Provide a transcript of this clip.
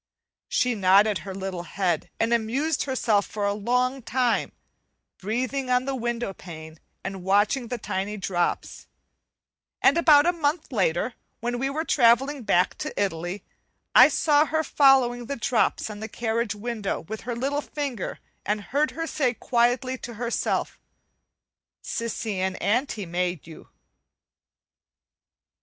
She nodded her little head and amused herself for a long time breathing on the window pane and watching the tiny drops; and about a month later, when we were travelling back to Italy, I saw her following the drops on the carriage window with her little finger, and heard her say quietly to herself, "Cissy and auntie made you."